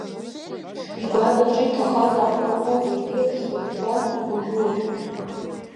Игәаҵаҿы иҭахаз ахәрақәа зегьы рыҽдыртлон уажәыуажәы.